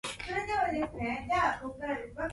バージニア州の州都はリッチモンドである